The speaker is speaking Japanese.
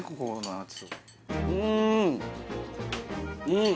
うん！